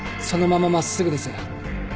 そのまま真っすぐです。